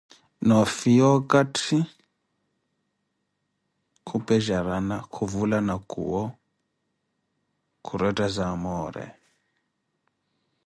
Noo fiyaza okathi, khupejarana, khuvulana khuwo khurethaza amore